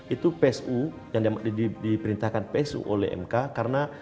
itu psu yang diperintahkan psu oleh mk karena